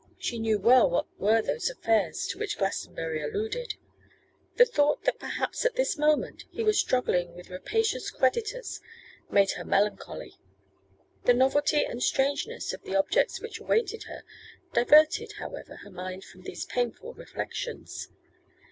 She knew well what were those affairs to which Glastonbury alluded. The thought that perhaps at this moment he was struggling with rapacious creditors made her melancholy. The novelty and strangeness of the objects which awaited her, diverted, however, her mind from these painful reflections.